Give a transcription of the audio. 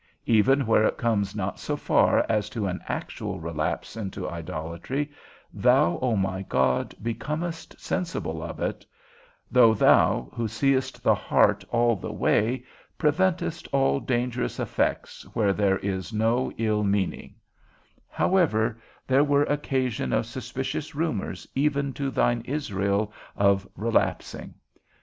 Even where it comes not so far as to an actual relapse into idolatry, thou, O my God, becomest sensible of it; though thou, who seest the heart all the way, preventest all dangerous effects where there was no ill meaning, however there were occasion of suspicious rumours given to thine Israel of relapsing.